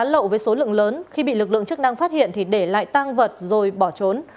thuốc lá lậu với số lượng lớn khi bị lực lượng chức năng phát hiện thì để lại tăng vật rồi bỏ trốn